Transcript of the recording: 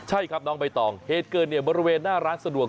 ใช่ครับน้องใบตองเหตุเกิดเนี่ยบริเวณหน้าร้านสะดวก